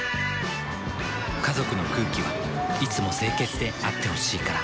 家族の空気はいつも清潔であってほしいから。